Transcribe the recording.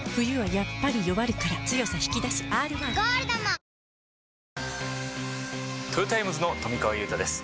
「ＧＯＬＤ」もトヨタイムズの富川悠太です